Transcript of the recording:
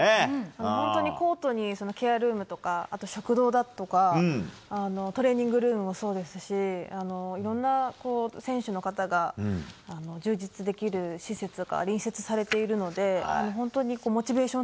本当にコートにケアルームとか食堂だとかトレーニングルームもそうですしいろんな選手の方が充実できる施設が隣接されているので本当にモチベーション